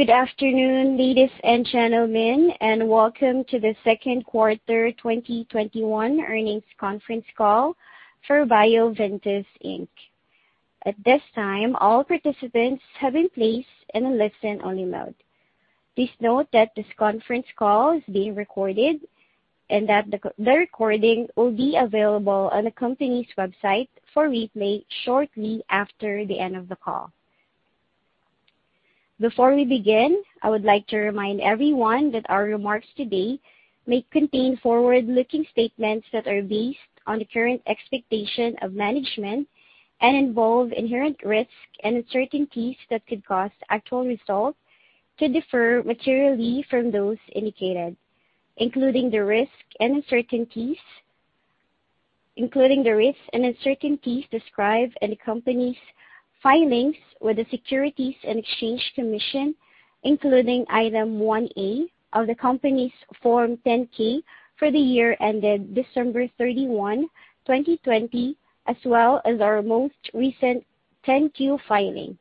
Good afternoon, ladies and gentlemen, and welcome to the second quarter 2021 earnings conference call for Bioventus Inc. At this time, all participants have been placed in a listen-only mode. Please note that this conference call is being recorded and that the recording will be available on the company's website for replay shortly after the end of the call. Before we begin, I would like to remind everyone that our remarks today may contain forward-looking statements that are based on the current expectation of management and involve inherent risks and uncertainties that could cause actual results to differ materially from those indicated, including the risks and uncertainties described in the company's filings with the Securities and Exchange Commission, including Item 1A of the company's Form 10-K for the year ended December 31, 2020, as well as our most recent 10-Q filing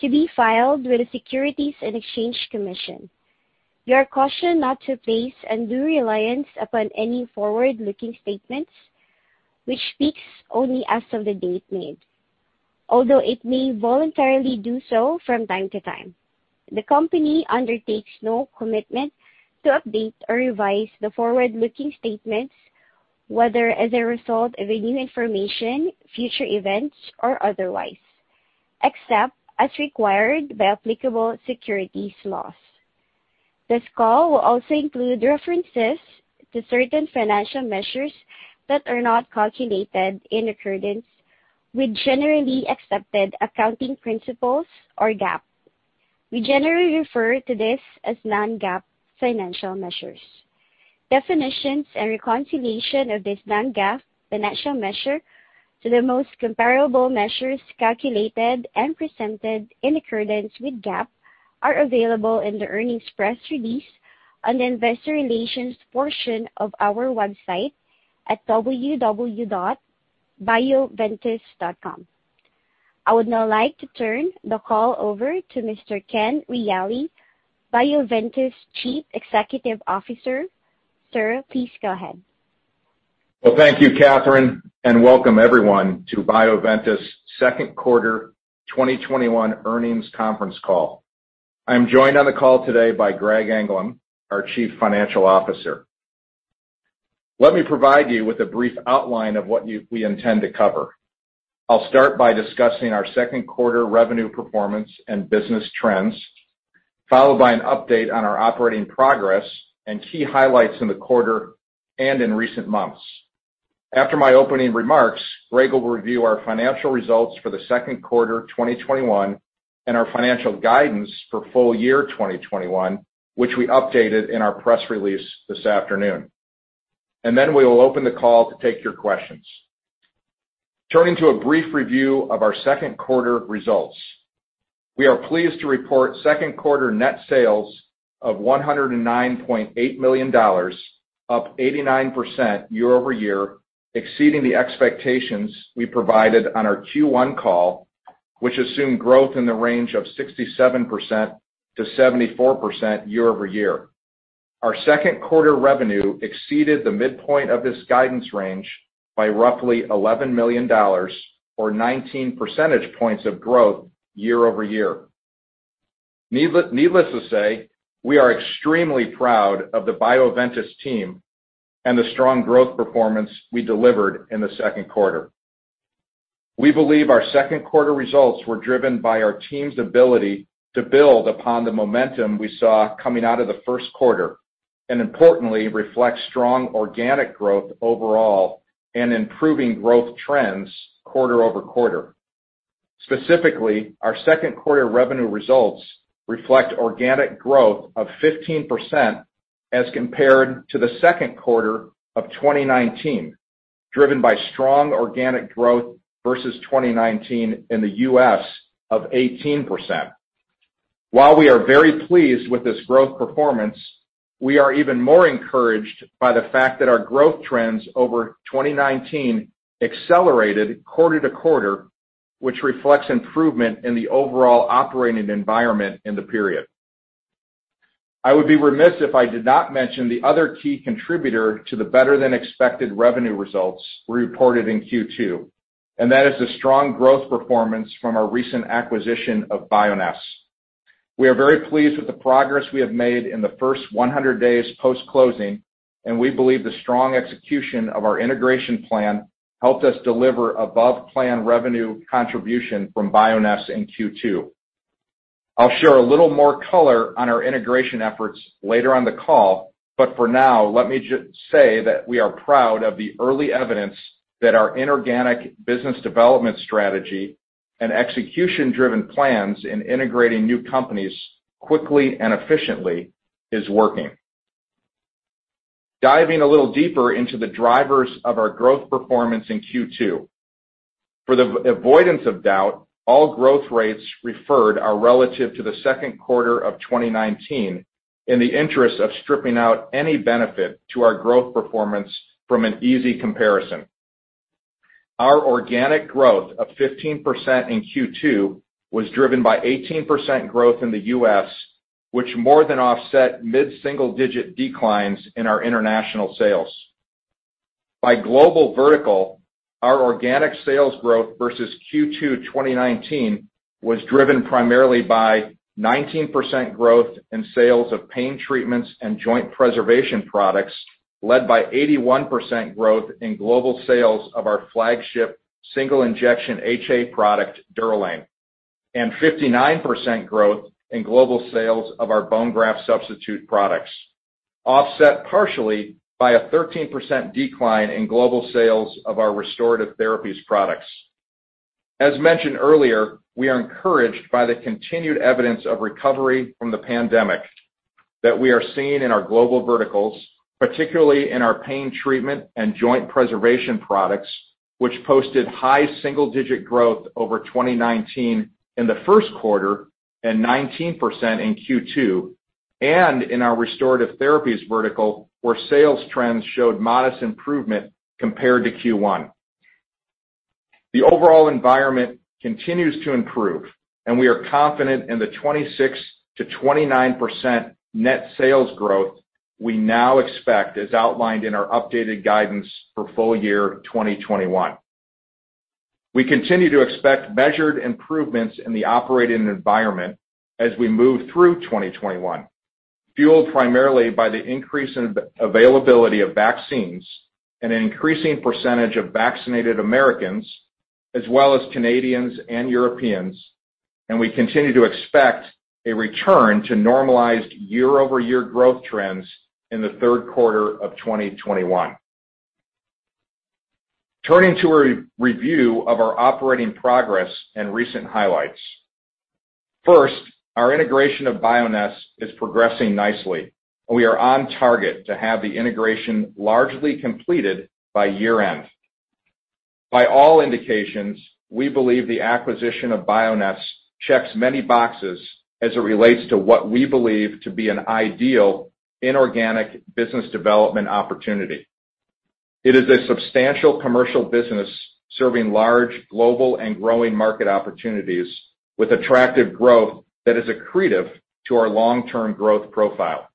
to be filed with the Securities and Exchange Commission. You are cautioned not to place undue reliance upon any forward-looking statements, which speaks only as of the date made. Although it may voluntarily do so from time to time, the company undertakes no commitment to update or revise the forward-looking statements, whether as a result of any new information, future events, or otherwise, except as required by applicable securities laws. This call will also include references to certain financial measures that are not calculated in accordance with generally accepted accounting principles, or GAAP. We generally refer to this as non-GAAP financial measures. Definitions and reconciliation of this non-GAAP financial measure to the most comparable measures calculated and presented in accordance with GAAP are available in the earnings press release on the investor relations portion of our website at www.bioventus.com. I would now like to turn the call over to Mr. Ken Reali, Bioventus' Chief Executive Officer. Sir, please go ahead. Well, thank you, Catherine, and welcome everyone to Bioventus' second quarter 2021 earnings conference call. I'm joined on the call today by Greg Anglum, our Chief Financial Officer. Let me provide you with a brief outline of what we intend to cover. I'll start by discussing our second quarter revenue performance and business trends, followed by an update on our operating progress and key highlights in the quarter and in recent months. After my opening remarks, Greg will review our financial results for the second quarter 2021 and our financial guidance for full year 2021, which we updated in our press release this afternoon. Then we will open the call to take your questions. Turning to a brief review of our second quarter results. We are pleased to report second quarter net sales of $109.8 million, up 89% year-over-year, exceeding the expectations we provided on our Q1 call, which assumed growth in the range of 67%-74% year-over-year. Our second quarter revenue exceeded the midpoint of this guidance range by roughly $11 million or 19 percentage points of growth year-over-year. Needless to say, we are extremely proud of the Bioventus team and the strong growth performance we delivered in the second quarter. We believe our second quarter results were driven by our team's ability to build upon the momentum we saw coming out of the first quarter, and importantly, reflect strong organic growth overall and improving growth trends quarter-over-quarter. Specifically, our second quarter revenue results reflect organic growth of 15% as compared to the second quarter of 2019, driven by strong organic growth versus 2019 in the U.S. of 18%. While we are very pleased with this growth performance, we are even more encouraged by the fact that our growth trends over 2019 accelerated quarter to quarter, which reflects improvement in the overall operating environment in the period. I would be remiss if I did not mention the other key contributor to the better-than-expected revenue results we reported in Q2, and that is the strong growth performance from our recent acquisition of Bioness. We are very pleased with the progress we have made in the first 100 days post-closing, and we believe the strong execution of our integration plan helped us deliver above-plan revenue contribution from Bioness in Q2. I'll share a little more color on our integration efforts later on the call, but for now, let me just say that we are proud of the early evidence that our inorganic business development strategy and execution-driven plans in integrating new companies quickly and efficiently is working. Diving a little deeper into the drivers of our growth performance in Q2. For the avoidance of doubt, all growth rates referred are relative to the second quarter of 2019 in the interest of stripping out any benefit to our growth performance from an easy comparison. Our organic growth of 15% in Q2 was driven by 18% growth in the U.S., which more than offset mid-single-digit declines in our international sales. By global vertical, our organic sales growth versus Q2 2019 was driven primarily by 19% growth in sales of pain treatments and joint preservation products, led by 81% growth in global sales of our flagship single injection HA product, DUROLANE, and 59% growth in global sales of our bone graft substitute products, offset partially by a 13% decline in global sales of our restorative therapies products. As mentioned earlier, we are encouraged by the continued evidence of recovery from the pandemic that we are seeing in our global verticals, particularly in our pain treatment and joint preservation products, which posted high single-digit growth over 2019 in the first quarter and 19% in Q2, and in our restorative therapies vertical, where sales trends showed modest improvement compared to Q1. The overall environment continues to improve. We are confident in the 26%-29% net sales growth we now expect, as outlined in our updated guidance for full year 2021. We continue to expect measured improvements in the operating environment as we move through 2021, fueled primarily by the increase in availability of vaccines and an increasing percentage of vaccinated Americans, as well as Canadians and Europeans. We continue to expect a return to normalized year-over-year growth trends in the third quarter of 2021. Turning to a review of our operating progress and recent highlights. First, our integration of Bioness is progressing nicely. We are on target to have the integration largely completed by year-end. By all indications, we believe the acquisition of Bioness checks many boxes as it relates to what we believe to be an ideal inorganic business development opportunity. It is a substantial commercial business serving large, global, and growing market opportunities with attractive growth that is accretive to our long-term growth profile.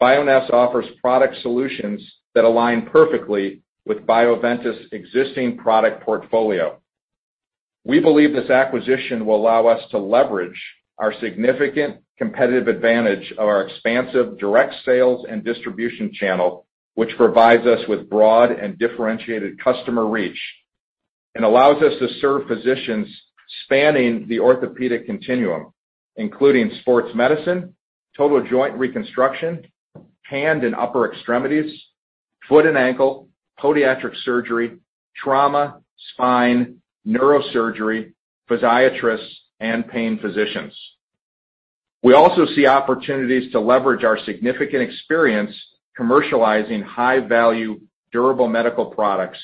Bioness offers product solutions that align perfectly with Bioventus' existing product portfolio. We believe this acquisition will allow us to leverage our significant competitive advantage of our expansive direct sales and distribution channel, which provides us with broad and differentiated customer reach and allows us to serve physicians spanning the orthopedic continuum, including sports medicine, total joint reconstruction, hand and upper extremities, foot and ankle, podiatric surgery, trauma, spine, neurosurgery, podiatrists, and pain physicians. We also see opportunities to leverage our significant experience commercializing high-value, durable medical products,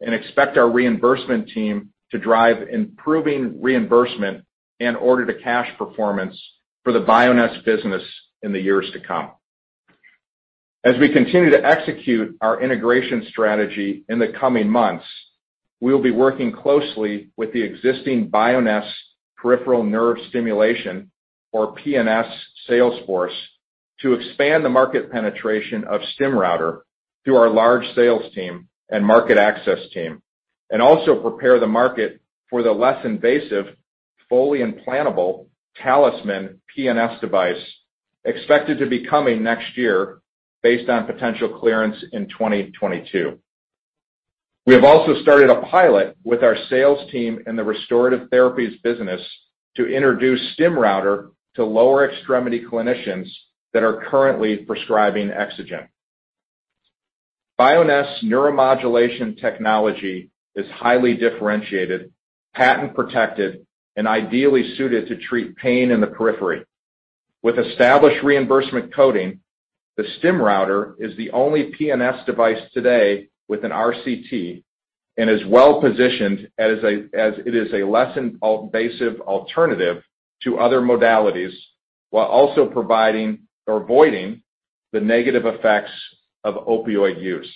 and expect our reimbursement team to drive improving reimbursement and order-to-cash performance for the Bioness business in the years to come. As we continue to execute our integration strategy in the coming months, we will be working closely with the existing Bioness peripheral nerve stimulation, or PNS, sales force to expand the market penetration of StimRouter through our large sales team and market access team, and also prepare the market for the less invasive, fully implantable TalisMann PNS device expected to be coming next year based on potential clearance in 2022. We have also started a pilot with our sales team in the restorative therapies business to introduce StimRouter to lower extremity clinicians that are currently prescribing EXOGEN. Bioness neuromodulation technology is highly differentiated, patent-protected, and ideally suited to treat pain in the periphery. With established reimbursement coding, the StimRouter is the only PNS device today with an RCT and is well-positioned as it is a less invasive alternative to other modalities while also providing or avoiding the negative effects of opioid use.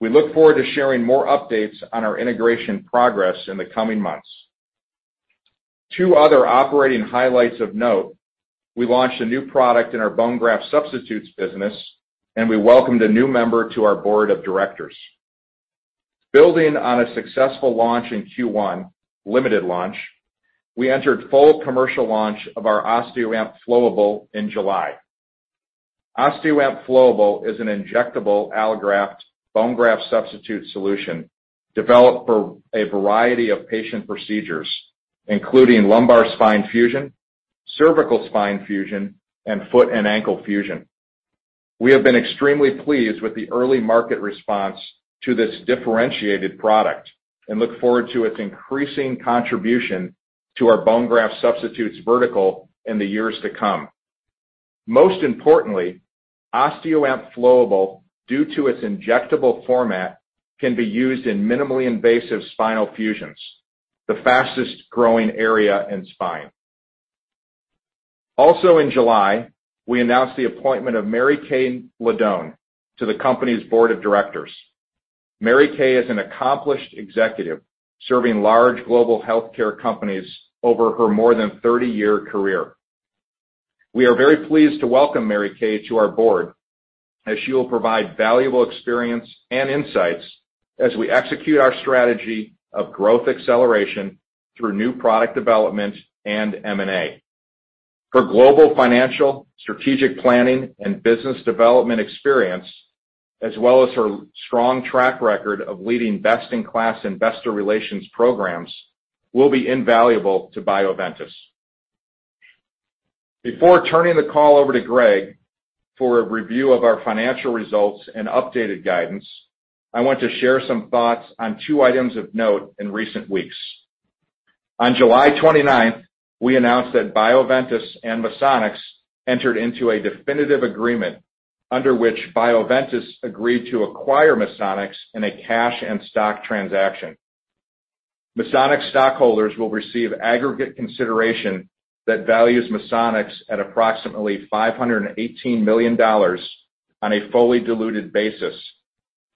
We look forward to sharing more updates on our integration progress in the coming months. Two other operating highlights of note. We launched a new product in our bone graft substitutes business, and we welcomed a new member to our board of directors. Building on a successful launch in Q1, limited launch, we entered full commercial launch of our OSTEOAMP Flowable in July. OSTEOAMP Flowable is an injectable allograft bone graft substitute solution developed for a variety of patient procedures, including lumbar spine fusion, cervical spine fusion, and foot and ankle fusion. We have been extremely pleased with the early market response to this differentiated product and look forward to its increasing contribution to our bone graft substitutes vertical in the years to come. Most importantly, OSTEOAMP SELECT Flowable, due to its injectable format, can be used in minimally invasive spinal fusions, the fastest-growing area in spine. Also in July, we announced the appointment of Mary Kay Ladone to the company's board of directors. Mary Kay is an accomplished executive, serving large global healthcare companies over her more than 30-year career. We are very pleased to welcome Mary Kay to our board, as she will provide valuable experience and insights as we execute our strategy of growth acceleration through new product development and M&A. Her global financial, strategic planning, and business development experience, as well as her strong track record of leading best-in-class investor relations programs will be invaluable to Bioventus. Before turning the call over to Greg for a review of our financial results and updated guidance, I want to share some thoughts on two items of note in recent weeks. On July 29th, we announced that Bioventus and Misonix entered into a definitive agreement under which Bioventus agreed to acquire Misonix in a cash and stock transaction. Misonix stockholders will receive aggregate consideration that values Misonix at approximately $518 million on a fully diluted basis,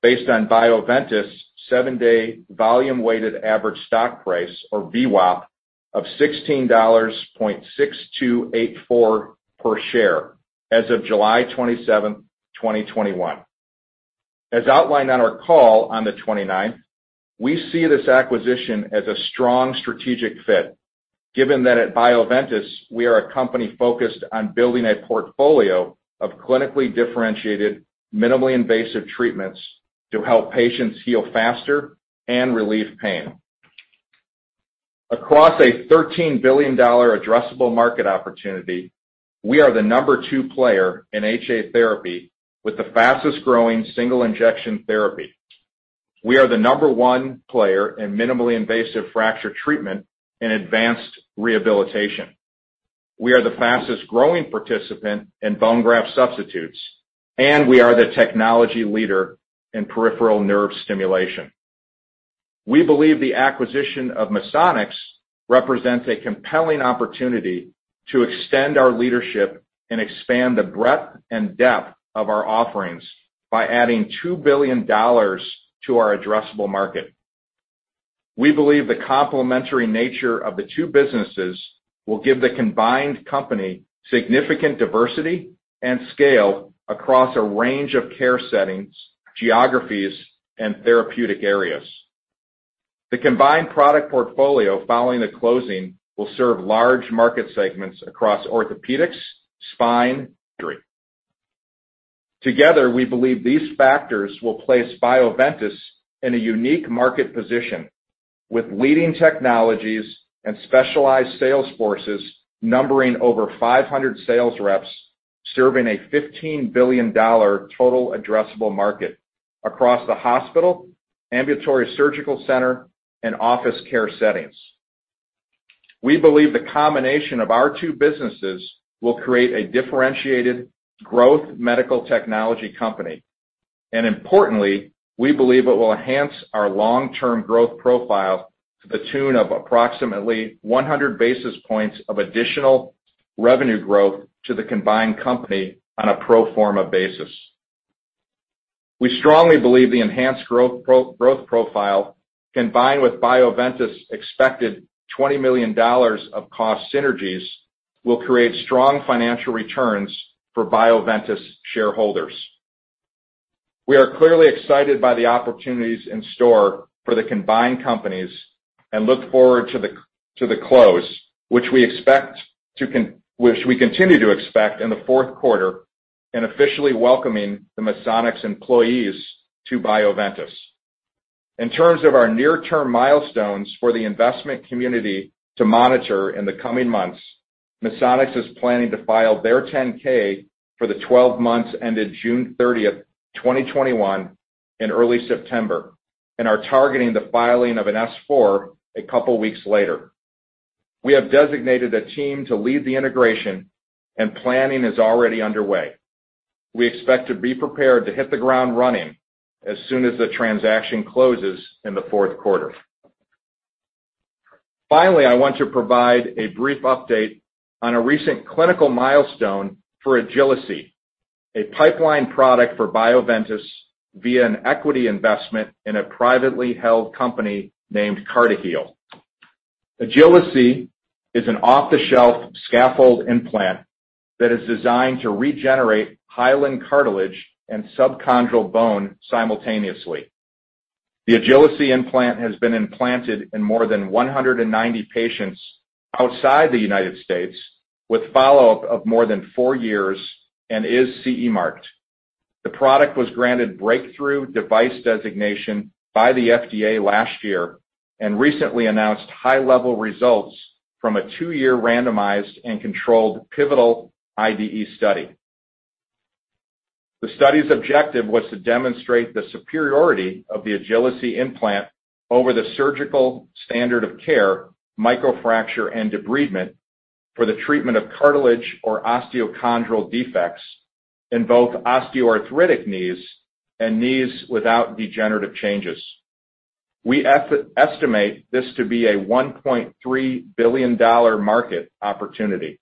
based on Bioventus' seven-day volume-weighted average stock price, or VWAP, of $16.6284 per share as of July 27th, 2021. As outlined on our call on the 29th, we see this acquisition as a strong strategic fit given that at Bioventus we are a company focused on building a portfolio of clinically differentiated, minimally invasive treatments to help patients heal faster and relieve pain. Across a $13 billion addressable market opportunity, we are the number two player in HA therapy with the fastest-growing single injection therapy. We are the number 1 player in minimally invasive fracture treatment and advanced rehabilitation. We are the fastest-growing participant in bone graft substitutes, and we are the technology leader in peripheral nerve stimulation. We believe the acquisition of Misonix represents a compelling opportunity to extend our leadership and expand the breadth and depth of our offerings by adding $2 billion to our addressable market. We believe the complementary nature of the two businesses will give the combined company significant diversity and scale across a range of care settings, geographies, and therapeutic areas. The combined product portfolio following the closing will serve large market segments across orthopedics, spine, and injury. Together, we believe these factors will place Bioventus in a unique market position with leading technologies and specialized sales forces numbering over 500 sales reps, serving a $15 billion total addressable market across the hospital, ambulatory surgical center, and office care settings. We believe the combination of our two businesses will create a differentiated growth medical technology company. Importantly, we believe it will enhance our long-term growth profile to the tune of approximately 100 basis points of additional revenue growth to the combined company on a pro forma basis. We strongly believe the enhanced growth profile, combined with Bioventus' expected $20 million of cost synergies, will create strong financial returns for Bioventus shareholders. We are clearly excited by the opportunities in store for the combined companies and look forward to the close, which we continue to expect in the fourth quarter, and officially welcoming the Misonix employees to Bioventus. In terms of our near-term milestones for the investment community to monitor in the coming months, Misonix is planning to file their 10-K for the 12 months ended June 30th, 2021 in early September, and are targeting the filing of an S-4 a couple of weeks later. We have designated a team to lead the integration, and planning is already underway. We expect to be prepared to hit the ground running as soon as the transaction closes in the fourth quarter. Finally, I want to provide a brief update on a recent clinical milestone for Agili-C, a pipeline product for Bioventus via an equity investment in a privately held company named CartiHeal. Agili-C is an off-the-shelf scaffold implant that is designed to regenerate hyaline cartilage and subchondral bone simultaneously. The Agili-C implant has been implanted in more than 190 patients outside the United States, with follow-up of more than four years and is CE marked. The product was granted breakthrough device designation by the FDA last year and recently announced high-level results from a two-year randomized and controlled pivotal IDE study. The study's objective was to demonstrate the superiority of the Agili-C implant over the surgical standard of care, microfracture, and debridement for the treatment of cartilage or osteochondral defects in both osteoarthritic knees and knees without degenerative changes. We estimate this to be a $1.3 billion market opportunity.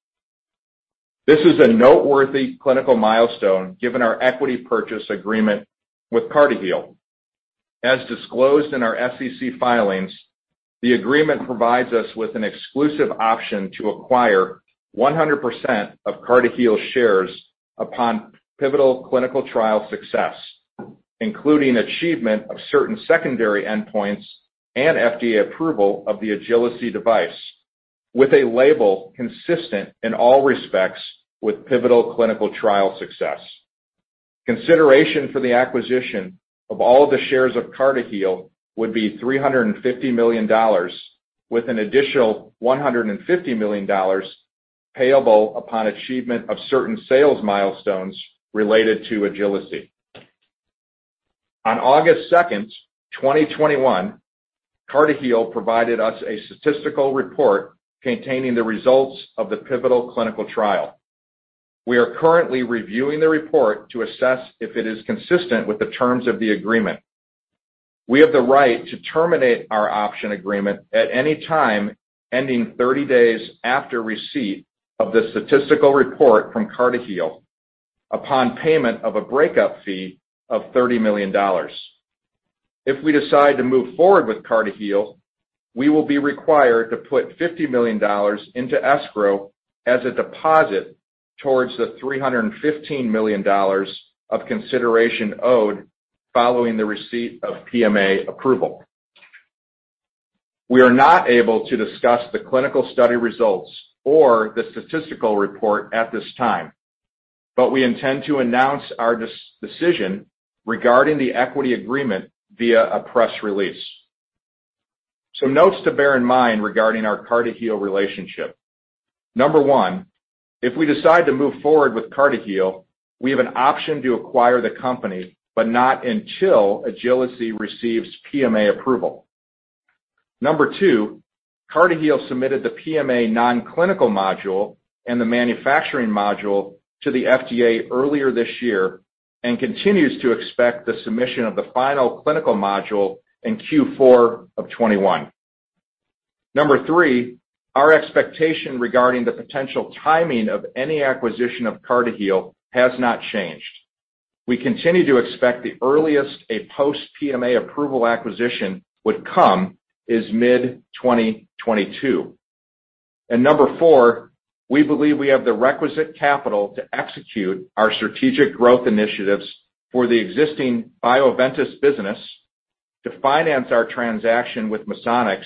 This is a noteworthy clinical milestone given our equity purchase agreement with CartiHeal. As disclosed in our SEC filings, the agreement provides us with an exclusive option to acquire 100% of CartiHeal shares upon pivotal clinical trial success, including achievement of certain secondary endpoints and FDA approval of the Agili-C device, with a label consistent in all respects with pivotal clinical trial success. Consideration for the acquisition of all the shares of CartiHeal would be $350 million, with an additional $150 million payable upon achievement of certain sales milestones related to Agili-C. On August 2nd, 2021, CartiHeal provided us a statistical report containing the results of the pivotal clinical trial. We are currently reviewing the report to assess if it is consistent with the terms of the agreement. We have the right to terminate our option agreement at any time ending 30 days after receipt of the statistical report from CartiHeal upon payment of a breakup fee of $30 million. If we decide to move forward with CartiHeal, we will be required to put $50 million into escrow as a deposit towards the $315 million of consideration owed following the receipt of PMA approval. We are not able to discuss the clinical study results or the statistical report at this time, but we intend to announce our decision regarding the equity agreement via a press release. Some notes to bear in mind regarding our CartiHeal relationship. Number one, if we decide to move forward with CartiHeal, we have an option to acquire the company, but not until Agili-C receives PMA approval. Number two, CartiHeal submitted the PMA nonclinical module and the manufacturing module to the FDA earlier this year and continues to expect the submission of the final clinical module in Q4 of 2021. Number three, our expectation regarding the potential timing of any acquisition of CartiHeal has not changed. We continue to expect the earliest a post PMA approval acquisition would come is mid-2022. Number four, we believe we have the requisite capital to execute our strategic growth initiatives for the existing Bioventus business to finance our transaction with Misonix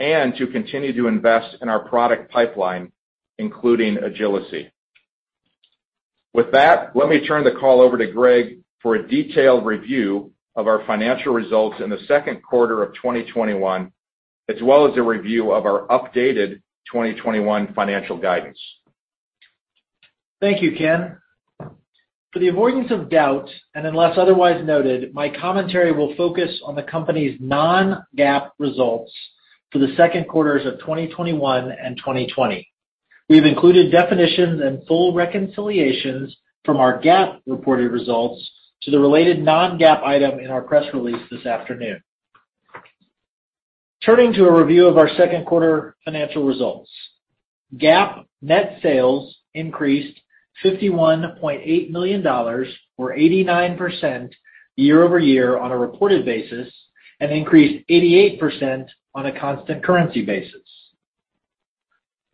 and to continue to invest in our product pipeline, including Agili-C. With that, let me turn the call over to Greg for a detailed review of our financial results in the second quarter of 2021, as well as a review of our updated 2021 financial guidance. Thank you, Ken. For the avoidance of doubt, and unless otherwise noted, my commentary will focus on the company's non-GAAP results for the second quarters of 2021 and 2020. We've included definitions and full reconciliations from our GAAP reported results to the related non-GAAP item in our press release this afternoon. Turning to a review of our second quarter financial results. GAAP net sales increased $51.8 million or 89% year-over-year on a reported basis, and increased 88% on a constant currency basis.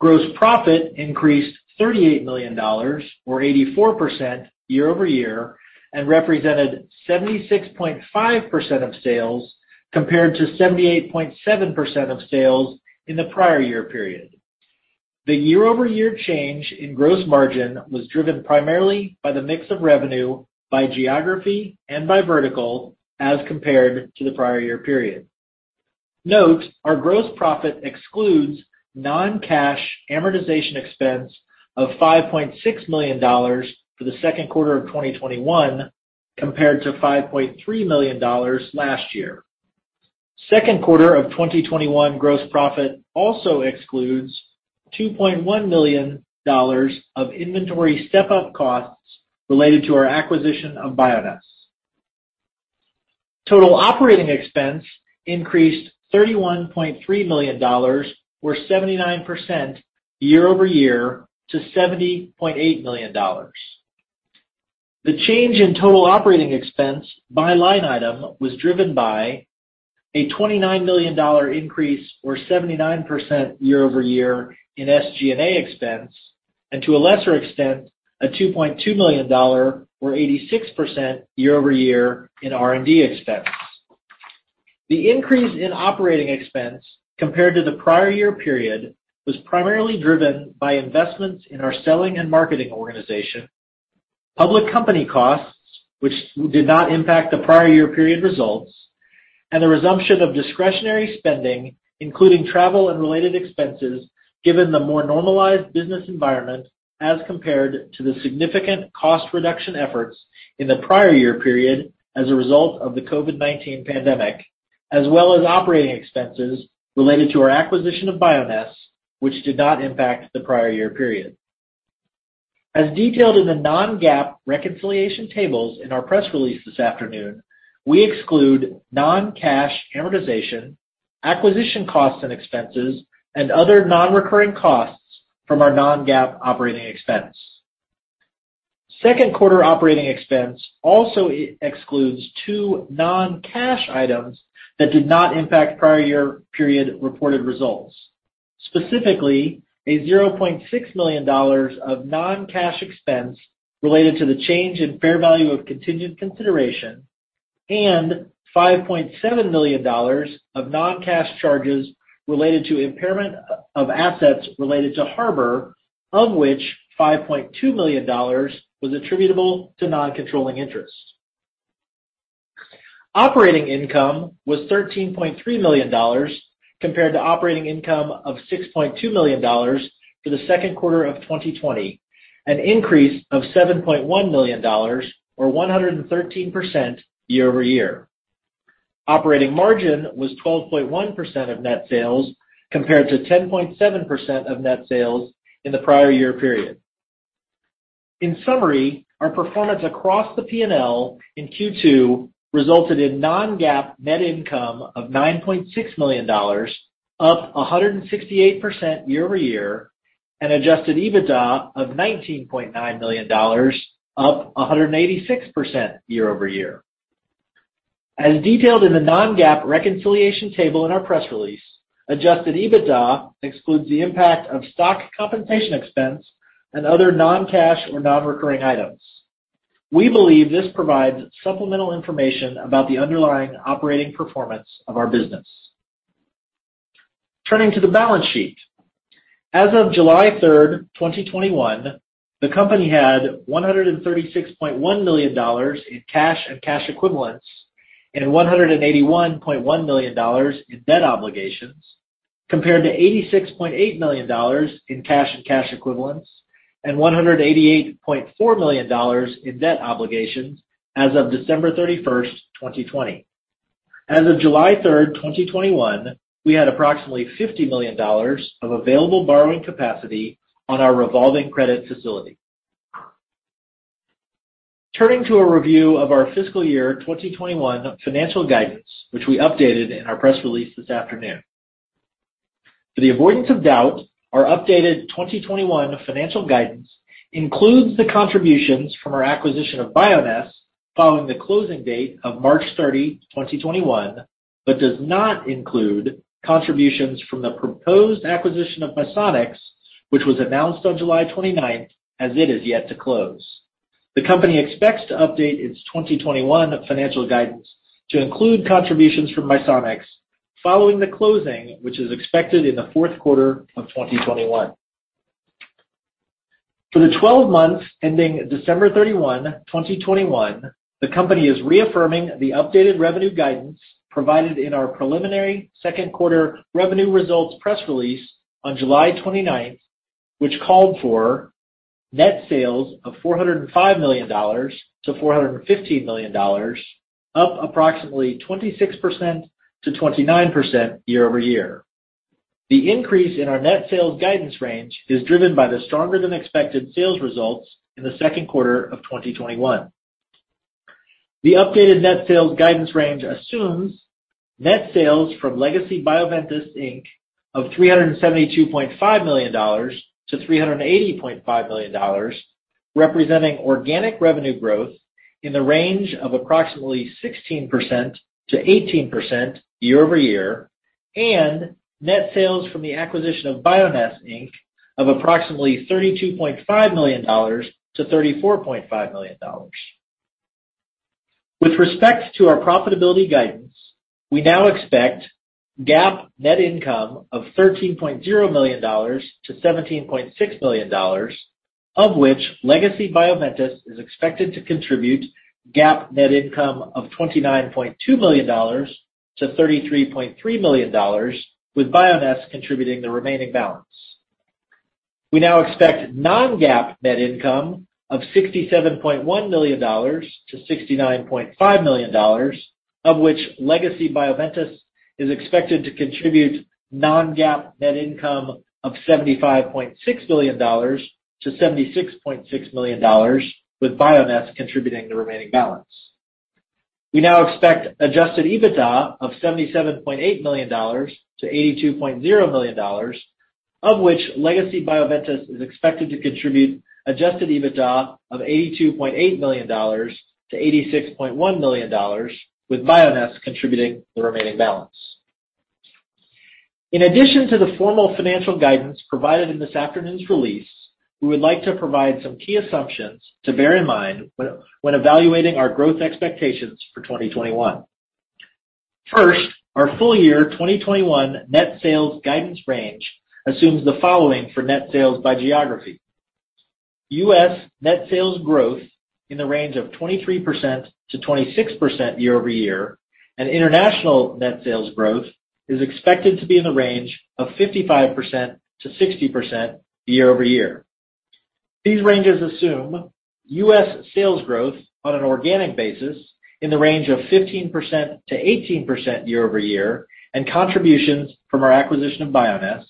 Gross profit increased $38 million or 84% year-over-year and represented 76.5% of sales, compared to 78.7% of sales in the prior year period. The year-over-year change in gross margin was driven primarily by the mix of revenue by geography and by vertical as compared to the prior year period. Note, our gross profit excludes non-cash amortization expense of $5.6 million for the second quarter of 2021 compared to $5.3 million last year. Second quarter of 2021 gross profit also excludes $2.1 million of inventory step-up costs related to our acquisition of Bioness. Total operating expense increased $31.3 million or 79% year-over-year to $70.8 million. The change in total operating expense by line item was driven by a $29 million increase or 79% year-over-year in SG&A expense, and to a lesser extent, a $2.2 million or 86% year-over-year in R&D expense. The increase in operating expense compared to the prior year period was primarily driven by investments in our selling and marketing organization, public company costs, which did not impact the prior year period results, and the resumption of discretionary spending, including travel and related expenses, given the more normalized business environment as compared to the significant cost reduction efforts in the prior year period as a result of the COVID-19 pandemic, as well as operating expenses related to our acquisition of Bioness, which did not impact the prior year period. As detailed in the non-GAAP reconciliation tables in our press release this afternoon, we exclude non-cash amortization, acquisition costs and expenses, and other non-recurring costs from our non-GAAP operating expense. Second quarter operating expense also excludes two non-cash items that did not impact prior year period reported results. Specifically, a $0.6 million of non-cash expense related to the change in fair value of contingent consideration and $5.7 million of non-cash charges related to impairment of assets related to Harbor, of which $5.2 million was attributable to non-controlling interest. Operating income was $13.3 million compared to operating income of $6.2 million for the second quarter of 2020, an increase of $7.1 million or 113% year over year. Operating margin was 12.1% of net sales compared to 10.7% of net sales in the prior year period. In summary, our performance across the P&L in Q2 resulted in non-GAAP net income of $9.6 million, up 168% year over year, and adjusted EBITDA of $19.9 million, up 186% year over year. As detailed in the non-GAAP reconciliation table in our press release, adjusted EBITDA excludes the impact of stock compensation expense and other non-cash or non-recurring items. We believe this provides supplemental information about the underlying operating performance of our business. Turning to the balance sheet. As of July 3rd, 2021, the company had $136.1 million in cash and cash equivalents and $181.1 million in debt obligations, compared to $86.8 million in cash and cash equivalents and $188.4 million in debt obligations as of December 31st, 2020. As of July 3rd, 2021, we had approximately $50 million of available borrowing capacity on our revolving credit facility. Turning to a review of our fiscal year 2021 financial guidance, which we updated in our press release this afternoon. For the avoidance of doubt, our updated 2021 financial guidance includes the contributions from our acquisition of Bioness following the closing date of March 30, 2021, but does not include contributions from the proposed acquisition of Misonix, which was announced on July 29th as it is yet to close. The company expects to update its 2021 financial guidance to include contributions from Misonix following the closing, which is expected in the fourth quarter of 2021. For the 12 months ending December 31, 2021, the company is reaffirming the updated revenue guidance provided in our preliminary second quarter revenue results press release on July 29, which called for net sales of $405 million-$415 million, up approximately 26%-29% year-over-year. The increase in our net sales guidance range is driven by the stronger than expected sales results in the second quarter of 2021. The updated net sales guidance range assumes net sales from legacy Bioventus Inc. of $372.5 million-$380.5 million, representing organic revenue growth in the range of approximately 16%-18% year-over-year, and net sales from the acquisition of Bioness Inc. of approximately $32.5 million-$34.5 million. With respect to our profitability guidance, we now expect GAAP net income of $13.0 million-$17.6 million, of which legacy Bioventus is expected to contribute GAAP net income of $29.2 million-$33.3 million, with Bioness contributing the remaining balance. We now expect non-GAAP net income of $67.1 million-$69.5 million, of which legacy Bioventus is expected to contribute non-GAAP net income of $75.6 million-$76.6 million, with Bioness contributing the remaining balance. We now expect adjusted EBITDA of $77.8 million-$82.0 million, of which legacy Bioventus is expected to contribute adjusted EBITDA of $82.8 million-$86.1 million, with Bioness contributing the remaining balance. In addition to the formal financial guidance provided in this afternoon's release, we would like to provide some key assumptions to bear in mind when evaluating our growth expectations for 2021. First, our full year 2021 net sales guidance range assumes the following for net sales by geography. U.S. net sales growth in the range of 23%-26% year-over-year, and international net sales growth is expected to be in the range of 55%-60% year-over-year. These ranges assume U.S. sales growth on an organic basis in the range of 15%-18% year-over-year, and contributions from our acquisition of Bioness,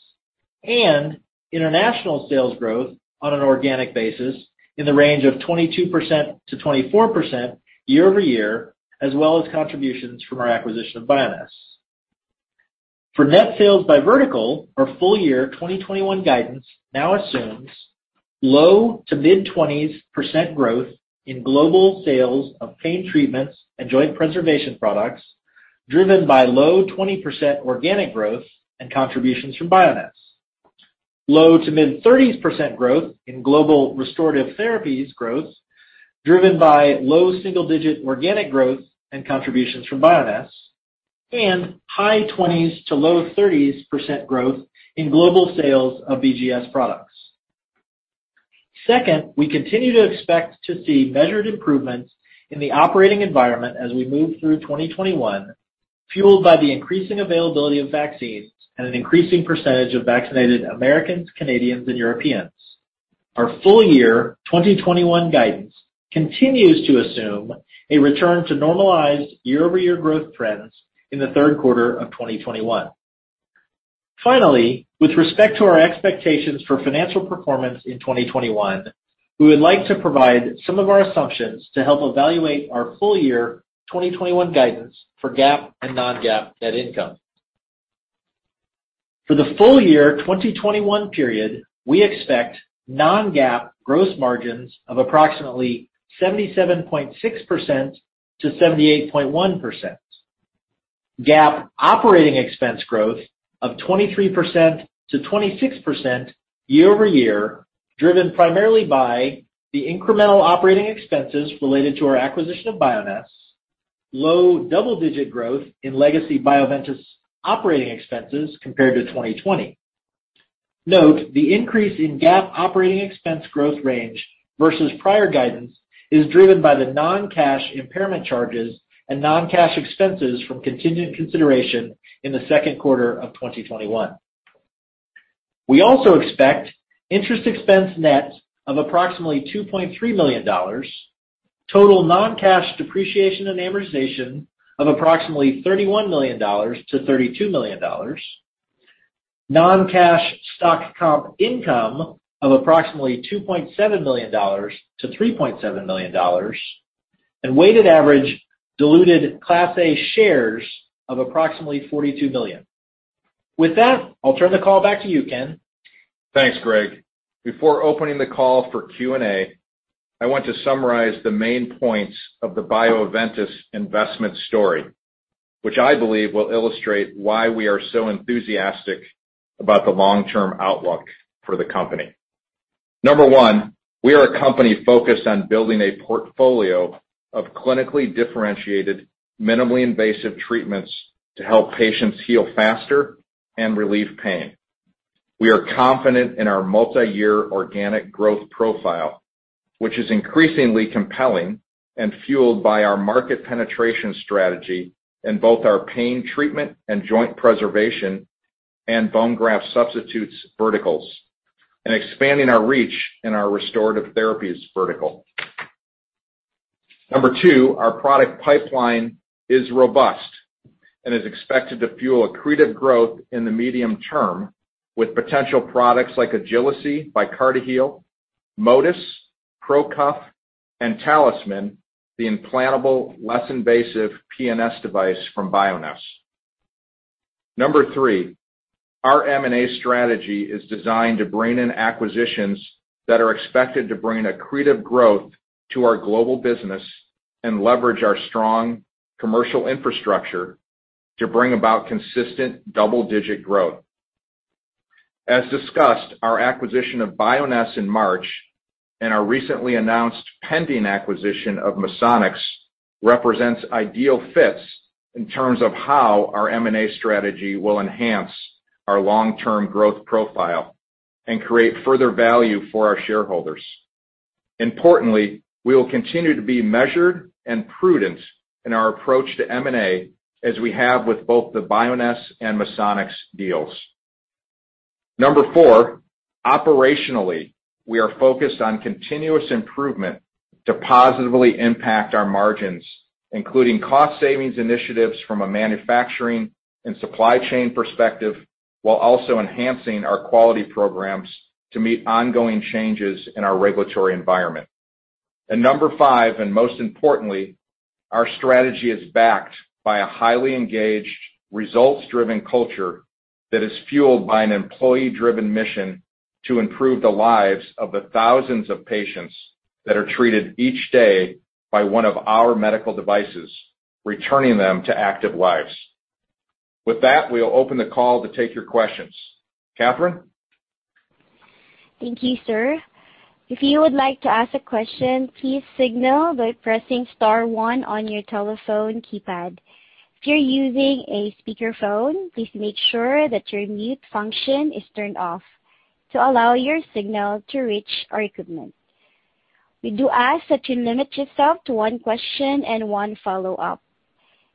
and international sales growth on an organic basis in the range of 22%-24% year-over-year, as well as contributions from our acquisition of Bioness. For net sales by vertical, our full year 2021 guidance now assumes low to mid-20s% growth in global sales of pain treatments and joint preservation products, driven by low 20% organic growth and contributions from Bioness. Low to mid 30% growth in global restorative therapies growth, driven by low single-digit organic growth and contributions from Bioness, and high 20s to low 30s% growth in global sales of BGS products. Second, we continue to expect to see measured improvements in the operating environment as we move through 2021, fueled by the increasing availability of vaccines and an increasing percentage of vaccinated Americans, Canadians, and Europeans. Our full year 2021 guidance continues to assume a return to normalized year-over-year growth trends in the third quarter of 2021. Finally, with respect to our expectations for financial performance in 2021, we would like to provide some of our assumptions to help evaluate our full year 2021 guidance for GAAP and non-GAAP net income. For the full year 2021 period, we expect non-GAAP gross margins of approximately 77.6%-78.1%. GAAP operating expense growth of 23%-26% year-over-year, driven primarily by the incremental operating expenses related to our acquisition of Bioness, low double-digit growth in legacy Bioventus operating expenses compared to 2020. Note, the increase in GAAP operating expense growth range versus prior guidance is driven by the non-cash impairment charges and non-cash expenses from continued consideration in the second quarter of 2021. We also expect interest expense net of approximately $2.3 million. Total non-cash depreciation and amortization of approximately $31 million-$32 million. Non-cash stock comp income of approximately $2.7 million-$3.7 million. Weighted average diluted Class A shares of approximately 42 million. With that, I'll turn the call back to you, Ken. Thanks, Greg. Before opening the call for Q&A, I want to summarize the main points of the Bioventus investment story, which I believe will illustrate why we are so enthusiastic about the long-term outlook for the company. Number one, we are a company focused on building a portfolio of clinically differentiated, minimally invasive treatments to help patients heal faster and relieve pain. We are confident in our multi-year organic growth profile, which is increasingly compelling and fueled by our market penetration strategy in both our pain treatment and joint preservation and bone graft substitutes verticals, and expanding our reach in our restorative therapies vertical. Number two, our product pipeline is robust and is expected to fuel accretive growth in the medium term with potential products like Agili-C by CartiHeal, MOTYS, PROCUFF, and TalisMann, the implantable, less invasive PNS device from Bioness. Number three, our M&A strategy is designed to bring in acquisitions that are expected to bring accretive growth to our global business and leverage our strong commercial infrastructure to bring about consistent double-digit growth. As discussed, our acquisition of Bioness in March and our recently announced pending acquisition of Misonix represents ideal fits in terms of how our M&A strategy will enhance our long-term growth profile and create further value for our shareholders. Importantly, we will continue to be measured and prudent in our approach to M&A as we have with both the Bioness and Misonix deals. Number four, operationally, we are focused on continuous improvement to positively impact our margins, including cost savings initiatives from a manufacturing and supply chain perspective, while also enhancing our quality programs to meet ongoing changes in our regulatory environment. Number five, and most importantly, our strategy is backed by a highly engaged, results-driven culture that is fueled by an employee-driven mission to improve the lives of the thousands of patients that are treated each day by one of our medical devices, returning them to active lives. With that, we'll open the call to take your questions. Catherine? Thank you, sir. If you would like to ask a question, please signal by pressing star one on your telephone keypad. If you're using a speakerphone, please make sure that your mute function is turned off to allow your signal to reach our equipment. We do ask that you limit yourself to one question and one follow-up.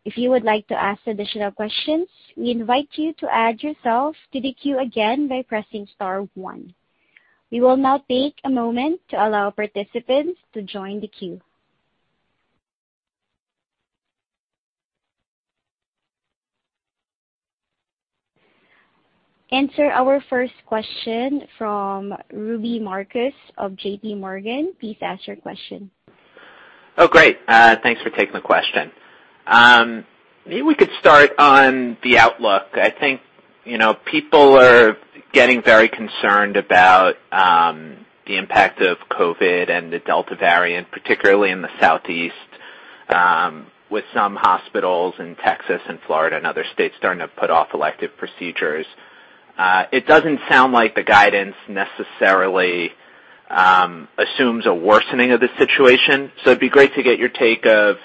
If you would like to ask additional questions, we invite you to add yourself to the queue again by pressing star one. We will now take a moment to allow participants to join the queue. Sir, our first question from Robbie Marcus of JPMorgan. Please ask your question. Oh, great. Thanks for taking the question. Maybe we could start on the outlook. I think people are getting very concerned about the impact of COVID and the Delta variant, particularly in the Southeast, with some hospitals in Texas and Florida and other states starting to put off elective procedures. It doesn't sound like the guidance necessarily assumes a worsening of the situation. It'd be great to get your take of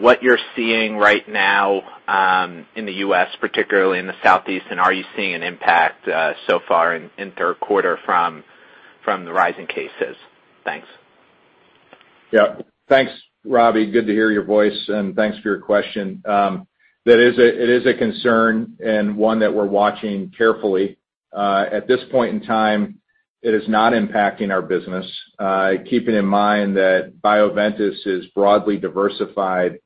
what you're seeing right now in the U.S., particularly in the Southeast, and are you seeing an impact so far in third quarter from the rising cases? Thanks. Thanks, Robbie. Good to hear your voice, and thanks for your question. It is a concern and one that we're watching carefully. At this point in time, it is not impacting our business. Keeping in mind that Bioventus is broadly diversified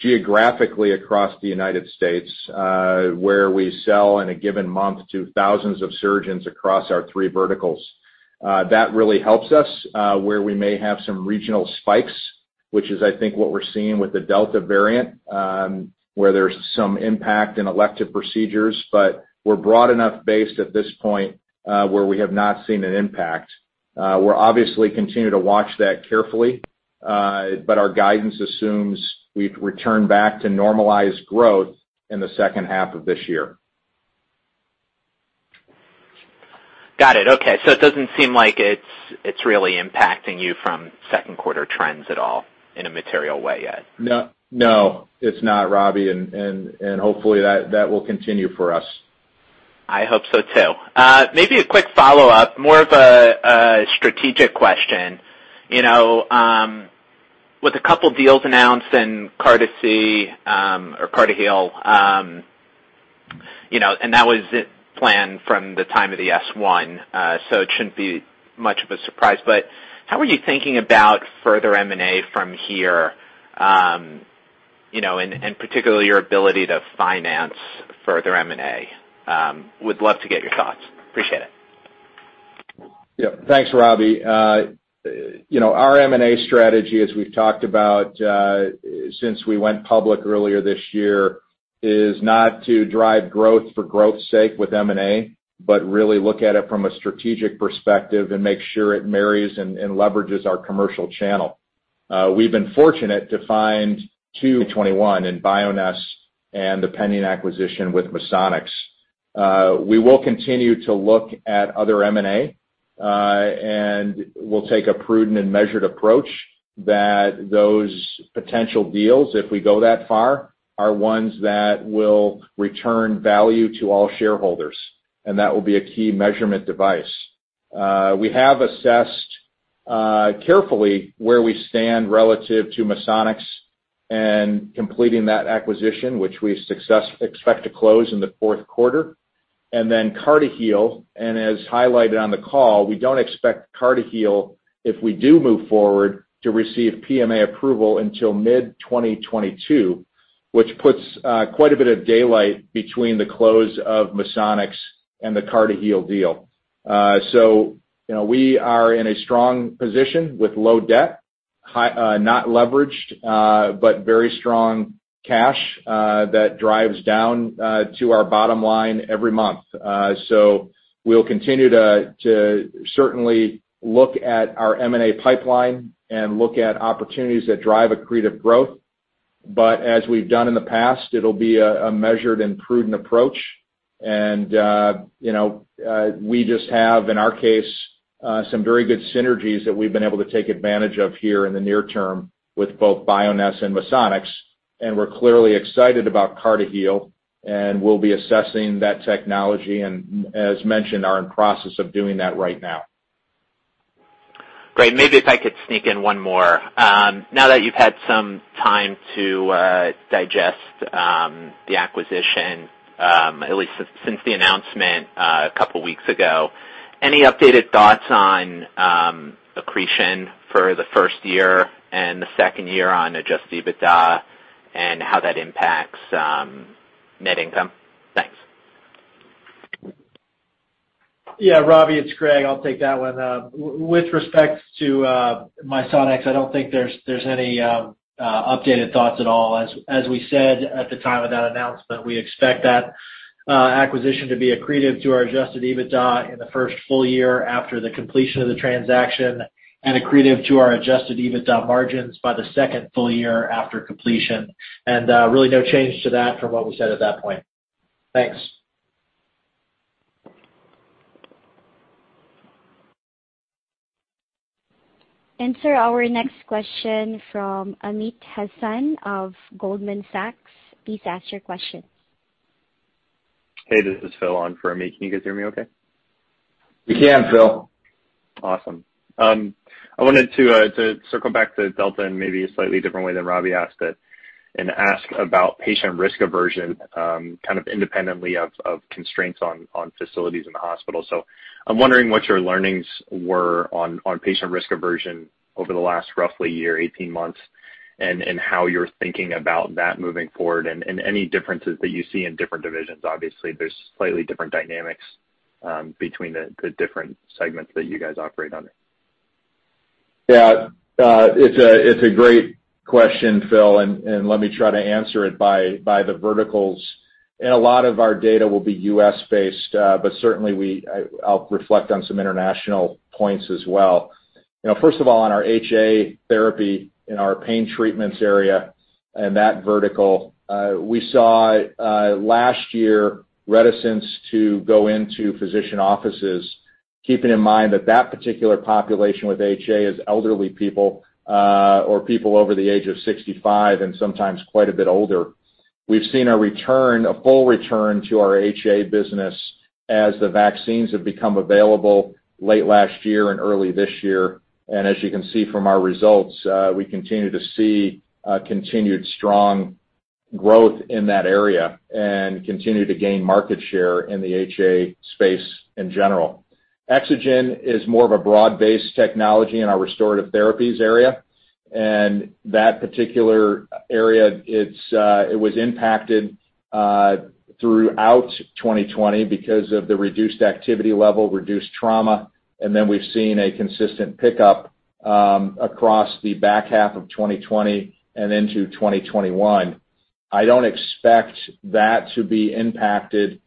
geographically across the United States, where we sell in a given month to thousands of surgeons across our three verticals. That really helps us, where we may have some regional spikes, which is, I think, what we're seeing with the Delta variant, where there's some impact in elective procedures. We're broad enough based at this point, where we have not seen an impact. We'll obviously continue to watch that carefully. Our guidance assumes we've returned back to normalized growth in the second half of this year. Got it. Okay. It doesn't seem like it's really impacting you from second quarter trends at all in a material way yet. No, it's not, Robbie, and hopefully that will continue for us. I hope so, too. Maybe a quick follow-up, more of a strategic question. With a couple deals announced in CartiHeal or CartiHeal, that was planned from the time of the S-1, so it shouldn't be much of a surprise. How are you thinking about further M&A from here? Particularly your ability to finance further M&A. Would love to get your thoughts. Appreciate it. Yeah. Thanks, Robbie. Our M&A strategy, as we've talked about since we went public earlier this year, is not to drive growth for growth's sake with M&A, but really look at it from a strategic perspective and make sure it marries and leverages our commercial channel. We've been fortunate to find two in 2021 in Bioness and the pending acquisition with Misonix. We will continue to look at other M&A, and we'll take a prudent and measured approach that those potential deals, if we go that far, are ones that will return value to all shareholders, and that will be a key measurement device. We have assessed carefully where we stand relative to Misonix and completing that acquisition, which we expect to close in the fourth quarter. And then CartiHeal, as highlighted on the call, we don't expect CartiHeal, if we do move forward, to receive PMA approval until mid-2022, which puts quite a bit of daylight between the close of Misonix and the CartiHeal deal. We are in a strong position with low debt, not leveraged, but very strong cash that drives down to our bottom line every month. We'll continue to certainly look at our M&A pipeline and look at opportunities that drive accretive growth. As we've done in the past, it'll be a measured and prudent approach. We just have, in our case, some very good synergies that we've been able to take advantage of here in the near term with both Bioness and Misonix. We're clearly excited about CartiHeal, and we'll be assessing that technology, and as mentioned, are in process of doing that right now. Great. Maybe if I could sneak in one more. Now that you've had some time to digest the acquisition, at least since the announcement a couple weeks ago, any updated thoughts on accretion for the first year and the second year on adjusted EBITDA and how that impacts net income? Thanks. Yeah, Robbie, it's Greg. I'll take that one. With respects to Misonix, I don't think there's any updated thoughts at all. As we said at the time of that announcement, we expect that acquisition to be accretive to our adjusted EBITDA in the first full year after the completion of the transaction and accretive to our adjusted EBITDA margins by the second full year after completion. Really no change to that from what we said at that point. Thanks. Sir, our next question from Amit Hazan of Goldman Sachs. Please ask your question Hey, this is Phil on for Amit Hazan. Can you guys hear me okay? We can, Phil. Awesome. I wanted to circle back to Delta in maybe a slightly different way than Robbie asked it, and ask about patient risk aversion independently of constraints on facilities in the hospital. I'm wondering what your learnings were on patient risk aversion over the last roughly year, 18 months, and how you're thinking about that moving forward, and any differences that you see in different divisions. Obviously, there's slightly different dynamics between the different segments that you guys operate on. It's a great question, Phil. Let me try to answer it by the verticals. A lot of our data will be U.S.-based, but certainly I'll reflect on some international points as well. First of all, on our HA therapy in our pain treatments area and that vertical, we saw last year reticence to go into physician offices, keeping in mind that that particular population with HA is elderly people or people over the age of 65, and sometimes quite a bit older. We've seen a full return to our HA business as the vaccines have become available late last year and early this year. As you can see from our results, we continue to see continued strong growth in that area and continue to gain market share in the HA space in general. EXOGEN is more of a broad-based technology in our restorative therapies area. That particular area, it was impacted throughout 2020 because of the reduced activity level, reduced trauma, and then we've seen a consistent pickup across the back half of 2020 and into 2021. I don't expect that to be impacted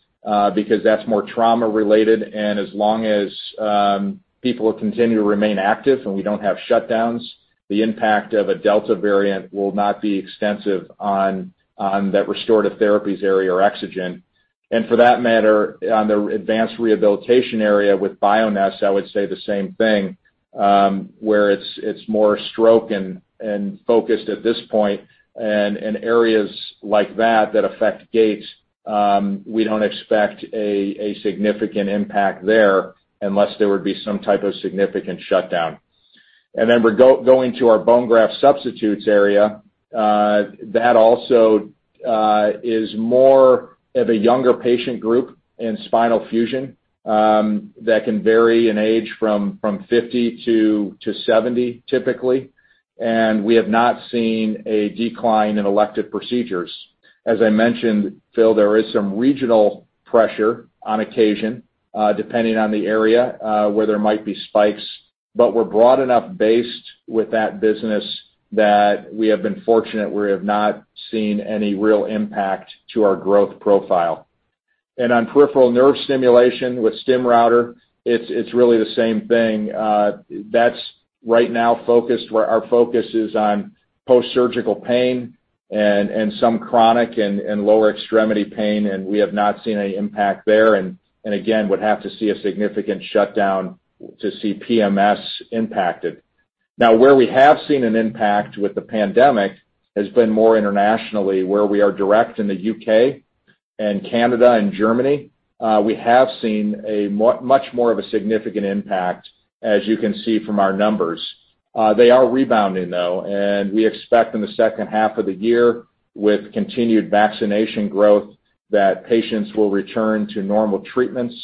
because that's more trauma related and as long as people continue to remain active and we don't have shutdowns, the impact of a Delta variant will not be extensive on that restorative therapies area or EXOGEN. For that matter, on the advanced rehabilitation area with Bioness, I would say the same thing, where it's more stroke and focused at this point, and areas like that affect gait. We don't expect a significant impact there unless there would be some type of significant shutdown. Then going to our bone graft substitutes area, that also is more of a younger patient group in spinal fusion that can vary in age from 50-70, typically, and we have not seen a decline in elective procedures. As I mentioned, Phil, there is some regional pressure on occasion, depending on the area where there might be spikes, but we're broad enough based with that business that we have been fortunate we have not seen any real impact to our growth profile. On peripheral nerve stimulation with StimRouter, it's really the same thing. That's right now focused where our focus is on post-surgical pain and some chronic and lower extremity pain, and we have not seen any impact there, and again, would have to see a significant shutdown to see PNS impacted. Where we have seen an impact with the pandemic has been more internationally where we are direct in the U.K. and Canada and Germany. We have seen much more of a significant impact, as you can see from our numbers. They are rebounding, though. We expect in the second half of the year with continued vaccination growth that patients will return to normal treatments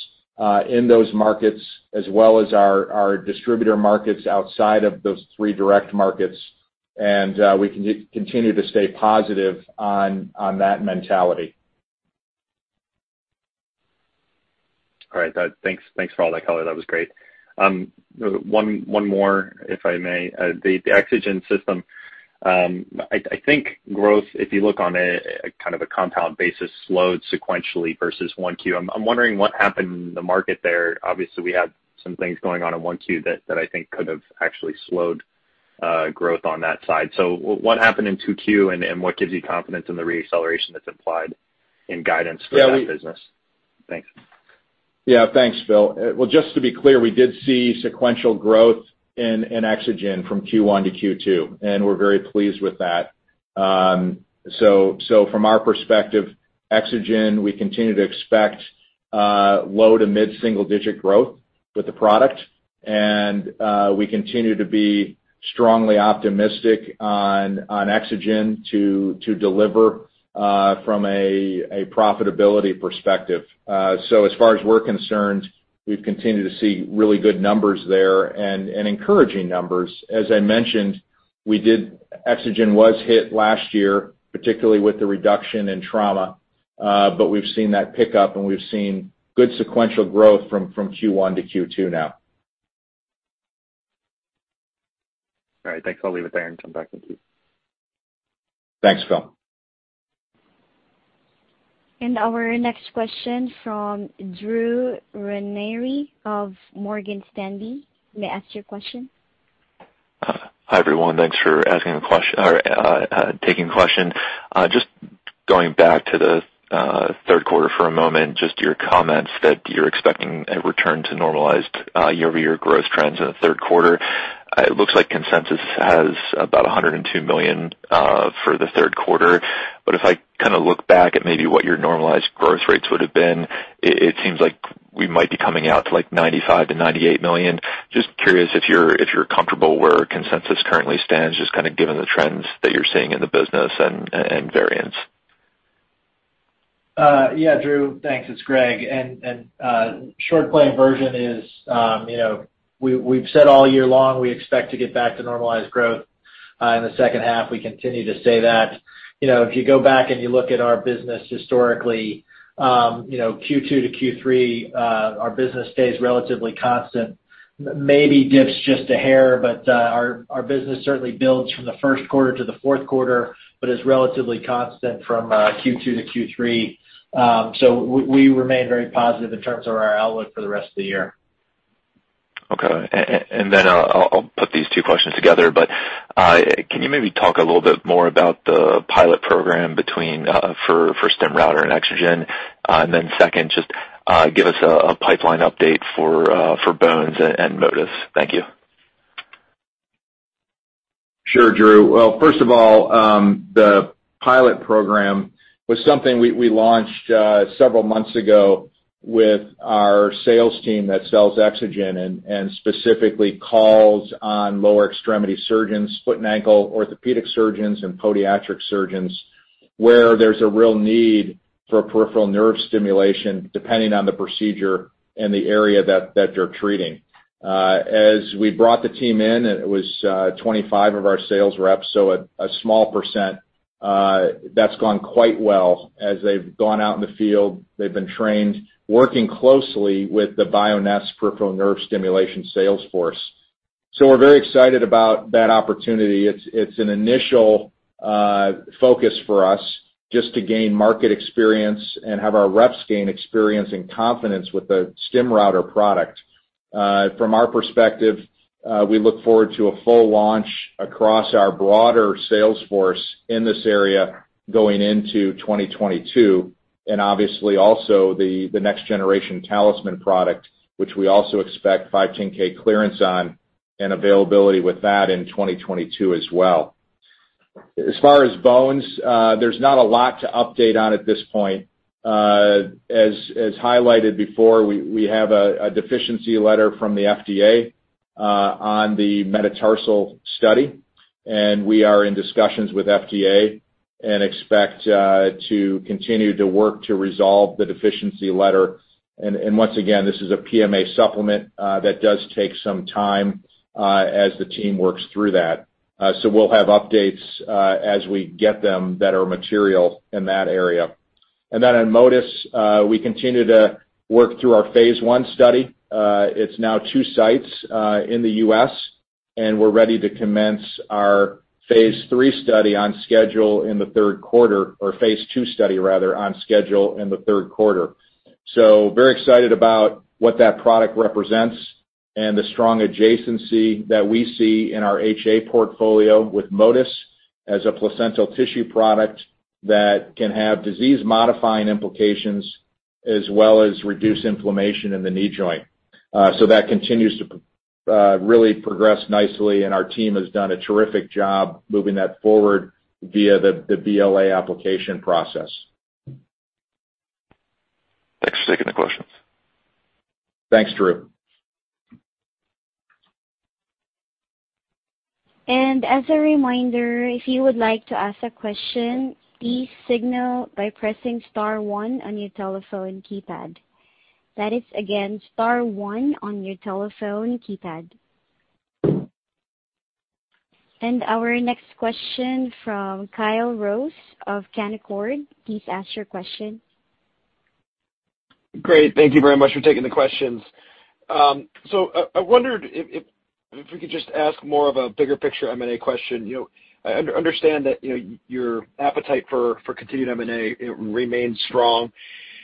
in those markets as well as our distributor markets outside of those three direct markets. We continue to stay positive on that mentality. All right. Thanks for all that color. That was great. One more, if I may. The EXOGEN system, I think growth, if you look on a kind of a compound basis, slowed sequentially versus 1Q. I'm wondering what happened in the market there. Obviously, we had some things going on in 1Q that I think could have actually slowed growth on that side. What happened in 2Q, and what gives you confidence in the reacceleration that's implied in guidance for that business? Thanks. Yeah. Thanks, Phil. Well, just to be clear, we did see sequential growth in EXOGEN from Q1 to Q2, and we're very pleased with that. From our perspective, EXOGEN, we continue to expect low to mid-single digit growth with the product, and we continue to be strongly optimistic on EXOGEN to deliver from a profitability perspective. As far as we're concerned, we've continued to see really good numbers there and encouraging numbers. As I mentioned, EXOGEN was hit last year, particularly with the reduction in trauma. We've seen that pick up, and we've seen good sequential growth from Q1 to Q2 now. All right. Thanks. I'll leave it there and come back to queue. Thanks, Phil. Our next question from Drew Ranieri of Morgan Stanley. Hi, everyone. Thanks for taking the question. Just going back to the third quarter for a moment, just your comments that you're expecting a return to normalized year-over-year growth trends in the third quarter. It looks like consensus has about $102 million for the third quarter. If I look back at maybe what your normalized growth rates would've been, it seems like we might be coming out to $95 million-$98 million. Just curious if you're comfortable where consensus currently stands, just given the trends that you're seeing in the business and variance. Yeah, Drew. Thanks. It's Greg. Short plain version is we've said all year long we expect to get back to normalized growth in the second half. We continue to say that. If you go back and you look at our business historically, Q2 to Q3, our business stays relatively constant. Maybe dips just a hair, but our business certainly builds from the first quarter to the fourth quarter, but is relatively constant from Q2 to Q3. We remain very positive in terms of our outlook for the rest of the year. Okay. I'll put these two questions together. Can you maybe talk a little bit more about the pilot program for StimRouter and EXOGEN? Second, just give us a pipeline update for Bioness and MOTYS. Thank you. Sure, Drew. Well, first of all, the pilot program was something we launched several months ago with our sales team that sells EXOGEN, and specifically calls on lower extremity surgeons, foot and ankle orthopedic surgeons, and podiatric surgeons, where there's a real need for peripheral nerve stimulation depending on the procedure and the area that they're treating. As we brought the team in, it was 25 of our sales reps, so a small percent. That's gone quite well. As they've gone out in the field, they've been trained, working closely with the Bioness peripheral nerve stimulation sales force. We're very excited about that opportunity. It's an initial focus for us just to gain market experience and have our reps gain experience and confidence with the StimRouter product. From our perspective, we look forward to a full launch across our broader sales force in this area going into 2022. Obviously also the next generation TalisMann product, which we also expect 510 clearance on and availability with that in 2022 as well. As far as Bones, there's not a lot to update on at this point. As highlighted before, we have a deficiency letter from the FDA on the metatarsal study. We are in discussions with FDA and expect to continue to work to resolve the deficiency letter. Once again, this is a PMA supplement that does take some time as the team works through that. We'll have updates as we get them that are material in that area. Then on MOTYS, we continue to work through our phase I study. It's now 2 sites in the U.S. We're ready to commence our phase II study on schedule in the third quarter. Very excited about what that product represents and the strong adjacency that we see in our HA portfolio with MOTYS as a placental tissue product that can have disease-modifying implications as well as reduce inflammation in the knee joint. That continues to really progress nicely, and our team has done a terrific job moving that forward via the BLA application process. Thanks for taking the questions. Thanks, Drew. Our next question from Kyle Rose of Canaccord. Please ask your question. Thank you very much for taking the questions. I wondered if we could just ask more of a bigger picture M&A question. I understand that your appetite for continued M&A remains strong.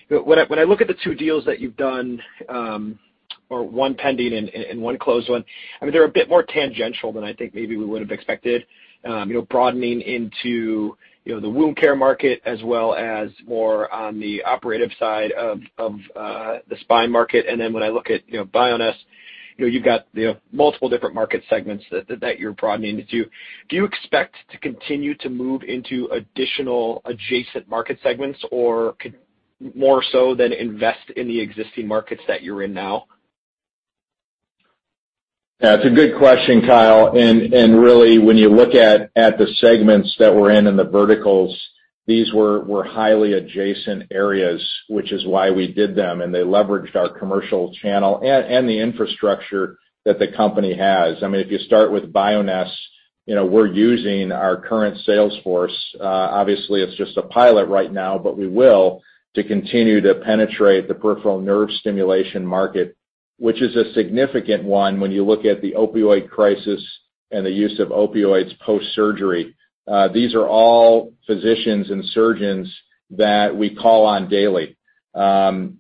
When I look at the two deals that you've done, or one pending and one closed one, they're a bit more tangential than I think maybe we would have expected, broadening into the wound care market as well as more on the operative side of the spine market. When I look at Bioness, you've got multiple different market segments that you're broadening into. Do you expect to continue to move into additional adjacent market segments, or more so than invest in the existing markets that you're in now? Yeah, it's a good question, Kyle. Really when you look at the segments that we are in and the verticals, these were highly adjacent areas, which is why we did them, and they leveraged our commercial channel and the infrastructure that the company has. If you start with Bioness, we are using our current sales force. Obviously, it is just a pilot right now, but we will to continue to penetrate the peripheral nerve stimulation market, which is a significant one when you look at the opioid crisis and the use of opioids post-surgery. These are all physicians and surgeons that we call on daily. Leveraging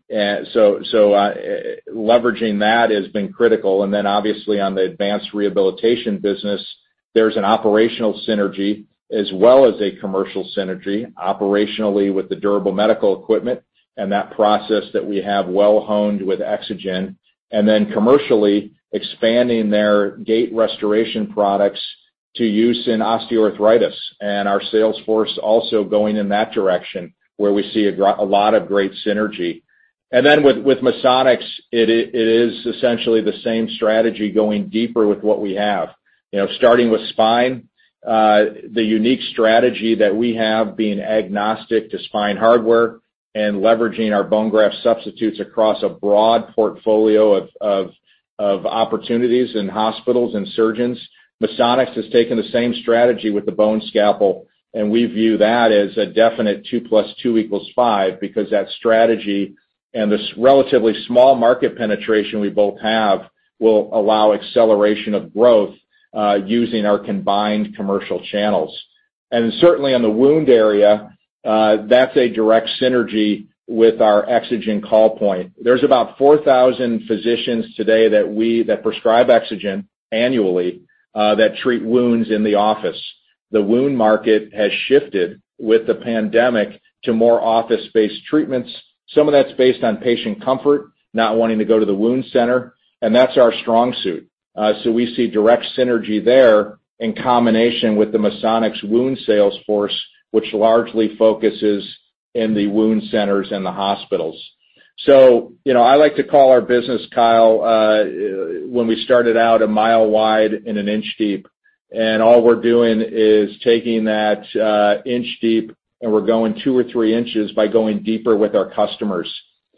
that has been critical. Obviously on the advanced rehabilitation business, there's an operational synergy as well as a commercial synergy operationally with the durable medical equipment and that process that we have well-honed with EXOGEN, and then commercially expanding their gait restoration products to use in osteoarthritis, and our sales force also going in that direction, where we see a lot of great synergy. With Misonix, it is essentially the same strategy going deeper with what we have. Starting with spine, the unique strategy that we have being agnostic to spine hardware and leveraging our bone graft substitutes across a broad portfolio of opportunities in hospitals and surgeons. Misonix has taken the same strategy with the BoneScalpel. We view that as a definite two plus two equals because that strategy and this relatively small market penetration we both have will allow acceleration of growth using our combined commercial channels. Certainly in the wound area, that's a direct synergy with our EXOGEN call point. There's about 4,000 physicians today that prescribe EXOGEN annually that treat wounds in the office. The wound market has shifted with the pandemic to more office-based treatments. Some of that's based on patient comfort, not wanting to go to the wound center, and that's our strong suit. We see direct synergy there in combination with the Misonix wound sales force, which largely focuses in the wound centers and the hospitals. I like to call our business, Kyle, when we started out a mile wide and an inch deep, and all we're doing is taking that inch deep and we're going 2 in or 3 in by going deeper with our customers.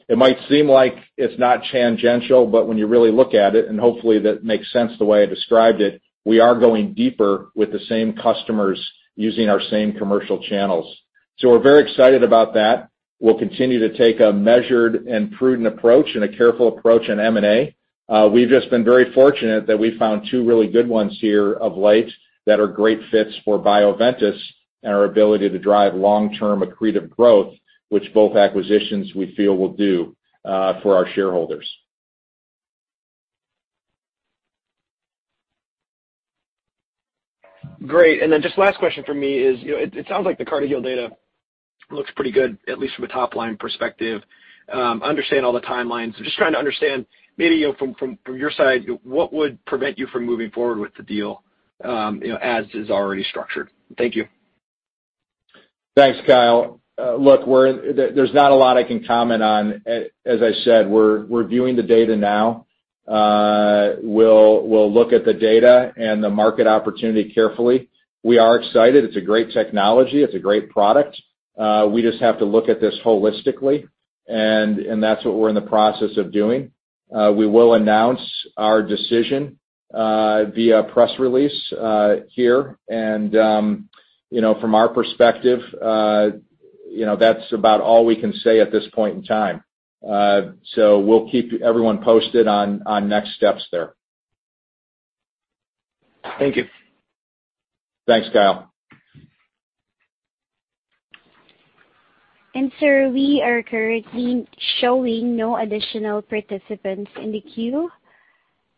It might seem like it's not tangential, but when you really look at it, and hopefully that makes sense the way I described it, we are going deeper with the same customers using our same commercial channels. We're very excited about that. We'll continue to take a measured and prudent approach and a careful approach in M&A. We've just been very fortunate that we found two really good ones here of late that are great fits for Bioventus and our ability to drive long-term accretive growth, which both acquisitions we feel will do for our shareholders. Great. Just last question from me is, it sounds like the CartiHeal data looks pretty good, at least from a top-line perspective. Understand all the timelines. I'm just trying to understand maybe from your side, what would prevent you from moving forward with the deal as is already structured? Thank you. Thanks, Kyle. Look, there's not a lot I can comment on. As I said, we're reviewing the data now. We'll look at the data and the market opportunity carefully. We are excited. It's a great technology. It's a great product. We just have to look at this holistically, and that's what we're in the process of doing. We will announce our decision via press release here, and from our perspective, that's about all we can say at this point in time. We'll keep everyone posted on next steps there. Thank you. Thanks, Kyle. Sir, we are currently showing no additional participants in the queue.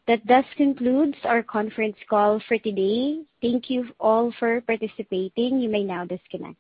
That does conclude our conference call for today. Thank you all for participating. You may now disconnect.